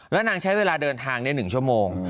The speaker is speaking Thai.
แล้วนางใช้เวลาเดินทาง๑ชั่วโมง